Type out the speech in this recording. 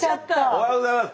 おはようございます。